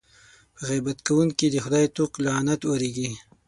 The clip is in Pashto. په غیبت کوونکي د خدای طوق لعنت اورېږي.